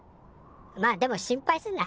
まあでも心配すんな。